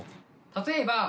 例えば。